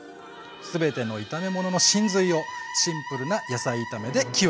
全ての炒め物の神髄をシンプルな野菜炒めで極めましょう。